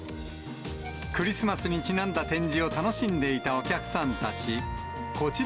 クリスマスにちなんだ展示を楽しんでいたお客さんたち。